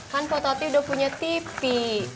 kan kok tati udah punya tipi